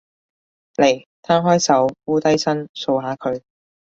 嚟，攤開手，摀低身，掃下佢